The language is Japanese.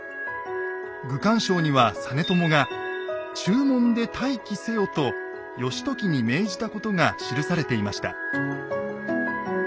「愚管抄」には実朝が「中門で待機せよ」と義時に命じたことが記されていました。